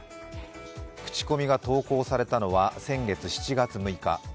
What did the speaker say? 口コミが投稿されたのは先月７月６日